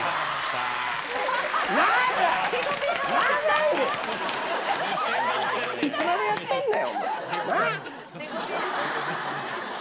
いつまでやってんねん？